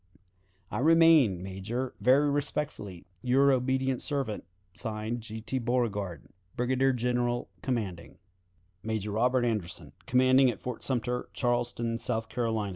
"I remain, Major, very respectfully, "Your obedient servant, (Signed) "G. T. Beauregard, "Brigadier General commanding. "Major Robert Anderson, "_Commanding at Fort Sumter, Charleston Harbor, S.